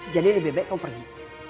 jadi lebih baik kamu pergi